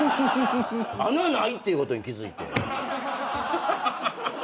穴ないっていうことに気付いて。